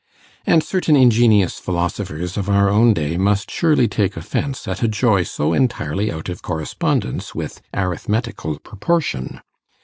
And certain ingenious philosophers of our own day must surely take offence at a joy so entirely out of correspondence with arithmetical proportion.